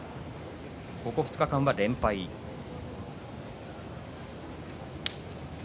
この２日間は連敗です。